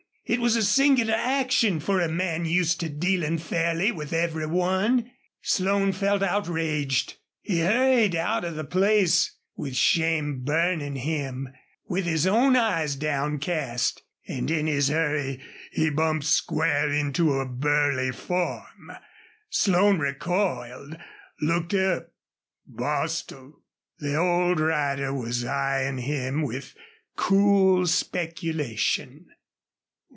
It was a singular action for a man used to dealing fairly with every one. Slone felt outraged. He hurried out of the place, with shame burning him, with his own eyes downcast, and in his hurry he bumped square into a burly form. Slone recoiled looked up. Bostil! The old rider was eying him with cool speculation.